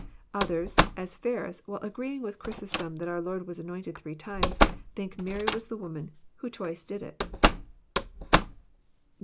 Others, as Ferns, while agreeing with Chrysos tom that our Lord was anointed three times, thii& Mary was the woman who twice did it.